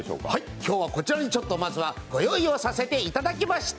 今日はこちらにご用意をさせていただきました。